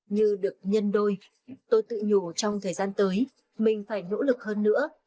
như được nhân đôi tôi tự nhủ trong thời gian tới mình phải nỗ lực hơn nữa